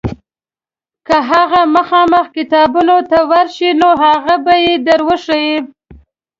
که هغه مخامخ کتابتون ته ورشې نو هغوی به یې در وښیي.